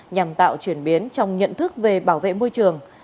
nhằm tạo chuyển biến trong nhận thức về bảo vệ môi trường